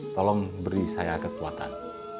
tolong beri saya ketuatan